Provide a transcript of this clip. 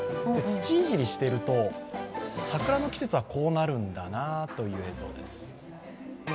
土いじりをしていると桜の季節はこうなるんだなという映像です。